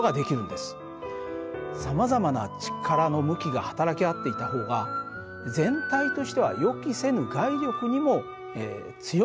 さまざまな力の向きが働き合っていた方が全体としては予期せぬ外力にも強いのです。